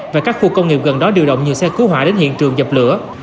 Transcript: và các khu công nghiệp gần đó điều động nhiều xe cứu hỏa đến hiện trường dập lửa